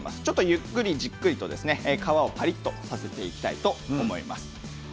じっくり、ゆっくり皮をパリっと焼いていきたいと思います。